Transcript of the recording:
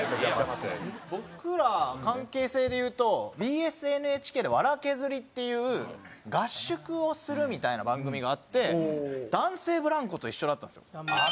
僕ら関係性でいうとＢＳＮＨＫで『笑けずり』っていう合宿をするみたいな番組があって男性ブランコと一緒だったんですよ。